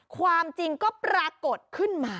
ความจริงก็ปรากฏขึ้นมา